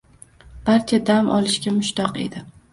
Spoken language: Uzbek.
Barcha dam olishga mushtoq edi